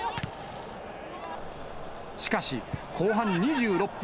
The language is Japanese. しかし、後半２６分。